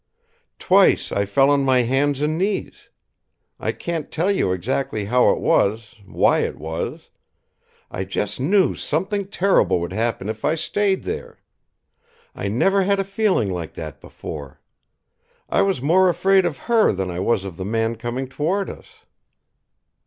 Twice I fell on my hands and knees. I can't tell you exactly how it was, why it was. I just knew something terrible would happen if I stayed there. I never had a feeling like that before. I was more afraid of her than I was of the man coming toward us."